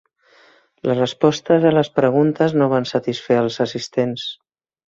Les respostes a les preguntes no van satisfer els assistents.